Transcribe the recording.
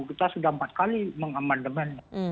kita sudah empat kali mengamandemen